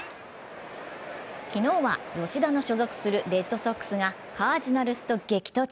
昨日は吉田の所属するレッドソックスがカージナルスと激突。